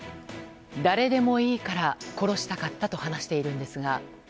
誰でもいいから殺したかったと話しているんですが。